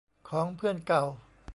ของเพื่อนเก่า